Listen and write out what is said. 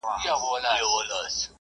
له یوه لاسه ټک راباسي دا سرزوری اولس